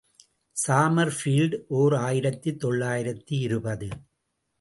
சாமர் field, ஓர் ஆயிரத்து தொள்ளாயிரத்து இருபது.